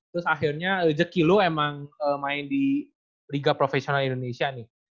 terus akhirnya rezeki lu emang main di liga profesional indonesia nih